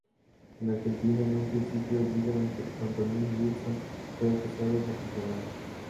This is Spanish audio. En Argentina, en un principio, Guido Antonini Wilson fue acusado por contrabando.